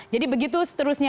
jadi begitu seterusnya